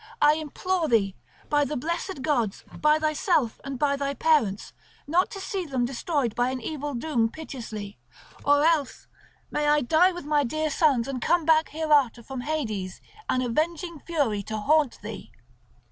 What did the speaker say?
I implore thee by the blessed gods, by thyself and by thy parents, not to see them destroyed by an evil doom piteously; or else may I die with my dear sons and come back hereafter from Hades an avenging Fury to haunt thee."